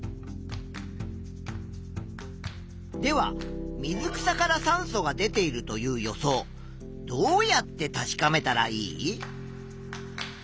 では水草から酸素が出ているという予想どうやって確かめたらいい？